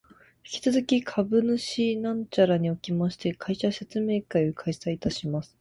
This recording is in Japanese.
引き続き株主総会会場におきまして、会社説明会を開催いたします